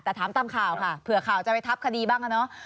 แต่ถามตามข่าวค่ะเผื่อข่าวจะไปทับคดีบ้างอะเนาะ